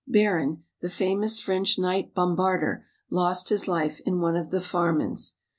Baron, the famous French night bombarder, lost his life in one of the Farmans.